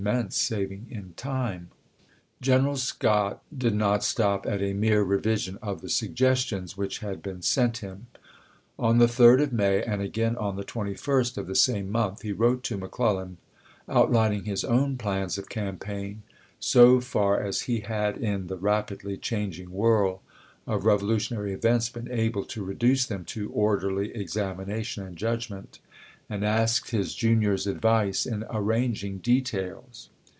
xvii. mense saving in time. Gen.scott, Indorse General Scott did not stop at a mere revision of 248gi.'w.r. Series IIT the suerarestions which had been sent him. On voi. i., pi' "•tofc)^ the 3d of May, and again on the 21st of the same month, he wi'ote to McClellan outlining his own plans of campaign, so far as he had in the rapidly changing whirl of revolutionary events been able to reduce them to orderly examination and judg ment, and asked his junior's advice in arranging details.